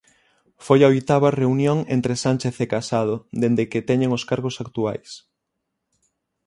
Foi a oitava reunión entre Sánchez e Casado dende que teñen os cargos actuais.